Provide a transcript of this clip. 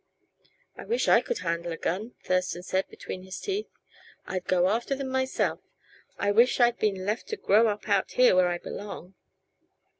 "I wish I could handle a gun," Thurston said between his teeth. "I'd go after them myself. I wish I'd been left to grow up out here where I belong.